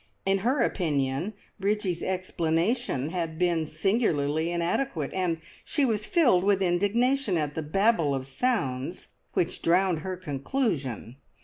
In her opinion Bridgie's explanation had been singularly inadequate, and she was filled with indignation at the babel of sounds which drowned her conclusion.